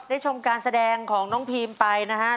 ชมการแสดงของน้องพีมไปนะครับ